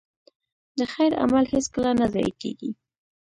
د خیر عمل هېڅکله نه ضایع کېږي.